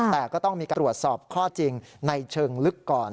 แต่ก็ต้องมีการตรวจสอบข้อจริงในเชิงลึกก่อน